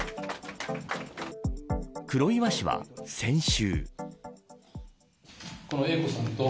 黒岩氏は先週。